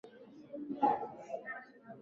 Wape vidonge vyao dada.